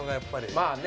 まあね。